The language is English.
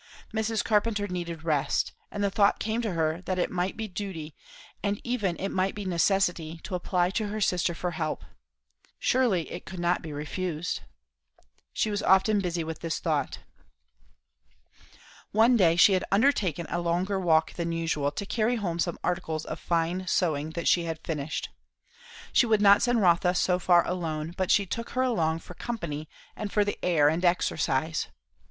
Mrs. Carpenter needed rest; she knew it; and the thought came to her that it might be duty, and even it might be necessity, to apply to her sister for help. Surely it could not be refused? She was often busy with this thought. One day she had undertaken a longer walk than usual, to carry home some articles of fine sewing that she had finished. She would not send Rotha so far alone, but she took her along for company and for the air and exercise.